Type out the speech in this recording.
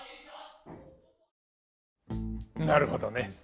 なるほどね。